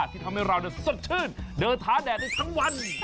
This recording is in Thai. ที่ทำให้เราสดชื่นเดินท้าแดดได้ทั้งวัน